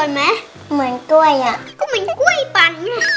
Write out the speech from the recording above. อร่อยมั้ยพี่เหมือนคิววี่เลย